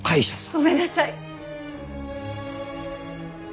ごめんなさい！